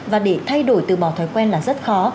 và để thay đổi từ bỏ thói quen là rất khó